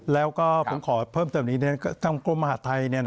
แล้วก็ผมขอเพิ่มเติมหนีนแว๊นตำกรมมหาช์ไทย